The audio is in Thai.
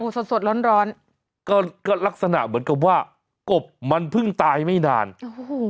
สดสดร้อนร้อนก็ก็ลักษณะเหมือนกับว่ากบมันเพิ่งตายไม่นานโอ้โห